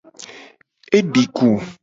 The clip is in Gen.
E di ku.